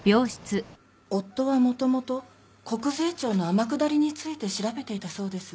夫はもともと国税庁の天下りについて調べていたそうです。